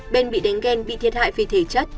bên bị đánh ghen bị thiệt hại về thể chất